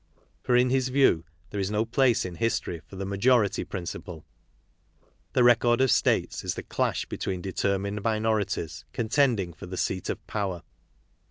For in his view there is no place in history for the majority principle; the record of States is the clash between determined minorities, contending for the seat of power.